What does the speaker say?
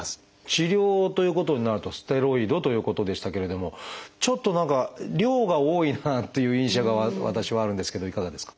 治療ということになるとステロイドということでしたけれどもちょっと何か量が多いななんていう印象が私はあるんですけどいかがですか？